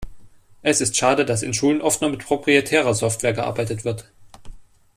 Es ist schade, dass in Schulen oft nur mit proprietärer Software gearbeitet wird.